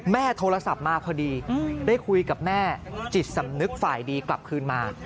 แม่โทรศัพท์มาพอดีได้คุยกับแม่จิตสำนึกฝ่ายดีกลับคืนมา